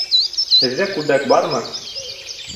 Һеҙҙә күлдәк бармы?